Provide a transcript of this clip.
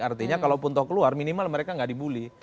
artinya kalau pun tahu keluar minimal mereka gak dibully